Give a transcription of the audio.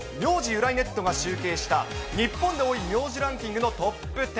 由来ｎｅｔが集計した日本で多い名字ランキングのトップ１０。